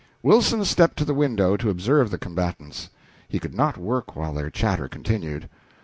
Wilson stepped to the window to observe the combatants; he could not work while their chatter continued.